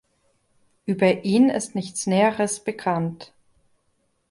Über ihn ist nichts Näheres bekannt.